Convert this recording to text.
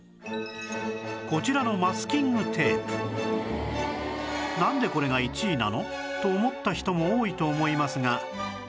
こちらのなんでこれが１位なの？と思った人も多いと思いますが